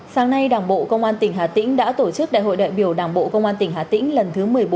sáng nay đảng bộ công an tỉnh hà tĩnh đã tổ chức đại hội đại biểu đảng bộ công an tỉnh hà tĩnh lần thứ một mươi bốn